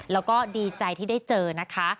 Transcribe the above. แล้วก็ดีใจที่ได้เจอนะคะ